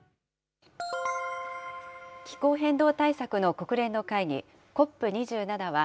気候変動対策の国連の会議、ＣＯＰ２７は、